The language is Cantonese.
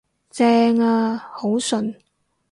正呀，好順